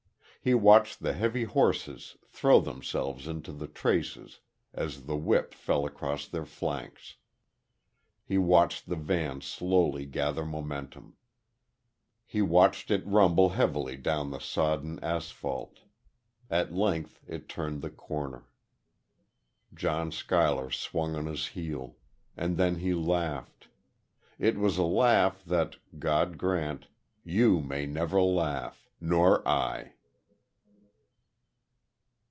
He watched the heavy horses throw themselves into the traces, as the whip fell across their flanks. He watched the van slowly gather momentum. He watched it rumble heavily down the sodden asphalt.... At length it turned the corner.... John Schuyler swung on his heel. And then he laughed; it was a laugh that, God grant, you may never laugh, nor I!